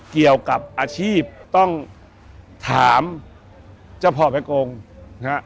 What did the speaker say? เกี่ยวกับอาชีพต้องถามเจ้าพ่อแม่กงนะฮะ